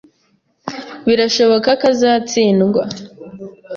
Birashoboka ko azatsindwa.